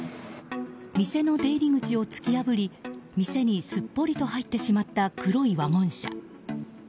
店の出入り口を突き破り店にすっぽりと入ってしまった黒いワゴン車。